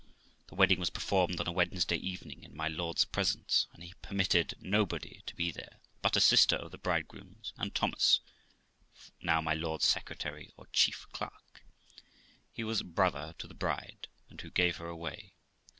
The wedding was performed on a Wednesday evening, in my lord's presence, and he permitted nobody to be there but a sister of the bridegroom's, and Thomas (now my lord's secretary, or chief clerk), who was brother to the bride, and who gave her away.